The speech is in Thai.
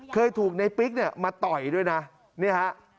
เคยถูกในปิ๊กเนี่ยมาต่อยด้วยนะเนี่ยฮะ